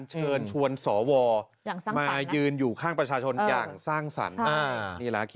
เชิญชวนสวมายืนอยู่ข้างประชาชนอย่างสร้างสรรค์